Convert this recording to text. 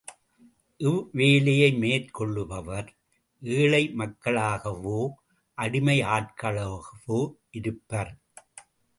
இவ்வேலையை மேற்கொள்ளுபவர் ஏழை மக்களாகவோ அடிமை ஆட்களாகவோ இருப்பர்.